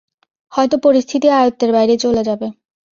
হয়ত পরিস্থিতি আয়ত্তের বাইরে চলে যাবে।